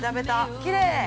きれい！